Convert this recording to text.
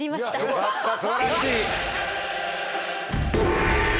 よかったすばらしい。